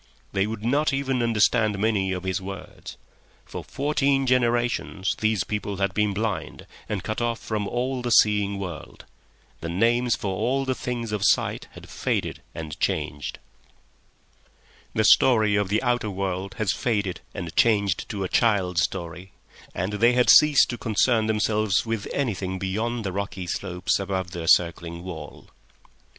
They would not even understand many of his words. For fourteen generations these people had been blind and cut off from all the seeing world; the names for all the things of sight had faded and changed; the story of the outer world was faded and changed to a child's story; and they had ceased to concern themselves with anything beyond the rocky slopes above their circling wall.